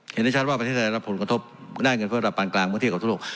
เห็นได้ชัดว่าประเทศไทยแสงรับผลคุณกระทบได้เงินโพสถาปันกลางเมื่อที่ออกทั่วโลก